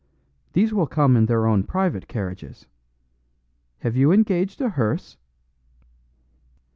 These will come in their own private carriages. Have you engaged a hearse?"